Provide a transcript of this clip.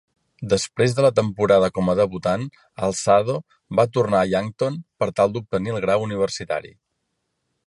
Després de la temporada com a debutant, Alzado va tornar a Yankton per tal d'obtenir el grau universitari.